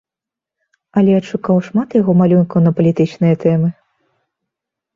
Але адшукаў шмат яго малюнкаў на палітычныя тэмы.